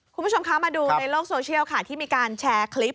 คุณผู้ชมคะมาดูในโลกโซเชียลค่ะที่มีการแชร์คลิป